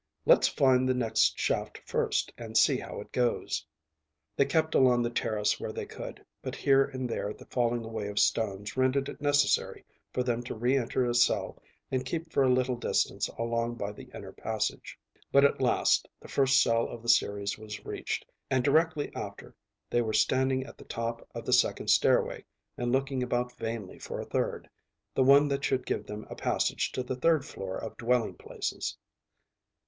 "Let's find the next shaft first, and see how far it goes." They kept along the terrace where they could, but here and there the falling away of stones rendered it necessary for them to re enter a cell and keep for a little distance along by the inner passage. But at last the first cell of the series was reached, and directly after they were standing at the top of the second stairway and looking about vainly for a third the one that should give them a passage to the third floor of dwelling places.